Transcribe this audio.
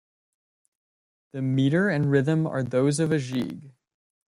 The meter and rhythm are those of a gigue.